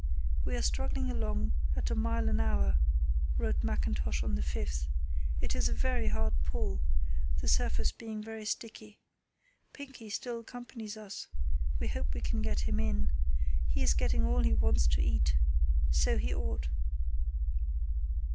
"We are struggling along at a mile an hour," wrote Mackintosh on the 5th. "It is a very hard pull, the surface being very sticky. Pinkey still accompanies us. We hope we can get him in. He is getting all he wants to eat. So he ought."